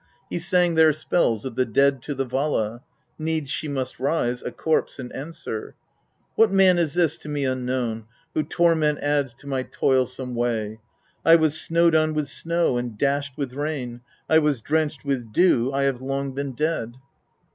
He sang there spells of the dead to the Vala ; needs she must rise a corpse and answer : 5. 'What man is this to me unknown, who torment adds to my toilsome way ? I was snowed on with snow, and dashed with rain, I was drenched with dew, I have long been dead.'